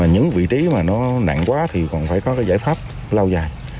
những vị trí mà nó nặng quá thì còn phải có giải pháp lau dài